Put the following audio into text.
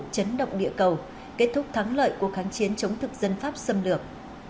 chấn động địa cầu kết thúc thắng lợi cuộc kháng chiến chống thực dân pháp xâm lược